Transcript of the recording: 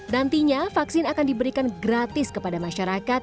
nantinya vaksin akan diberikan gratis kepada masyarakat